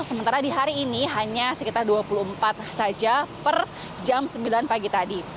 sementara di hari ini hanya sekitar dua puluh empat saja per jam sembilan pagi tadi